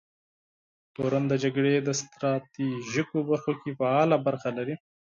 تورن د جګړې ستراتیژیکو برخو کې فعاله برخه لري.